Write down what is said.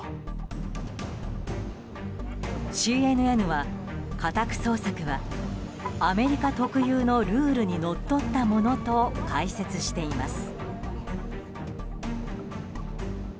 ＣＮＮは、家宅捜索はアメリカ特有のルールにのっとったものと解説しています。